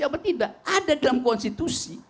apa tidak ada dalam konstitusi